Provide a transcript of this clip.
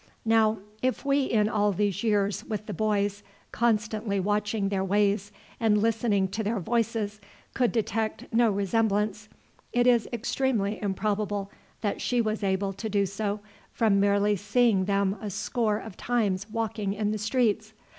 Now, if we in all these years with the boys, constantly watching their ways and listening to their voices, could detect no resemblance, it is extremely improbable that she was able to do so from merely seeing them a score of times walking in the streets.